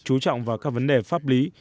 trú trọng vào các vấn đề pháp lý